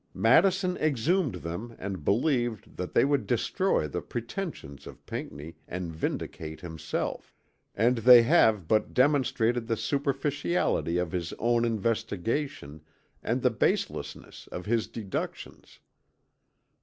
Madison exhumed them and believed that they would destroy the pretensions of Pinckney and vindicate himself and they have but demonstrated the superficiality of his own investigation and the baselessness of his deductions.